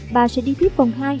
bà sẽ đi tiếp vòng hai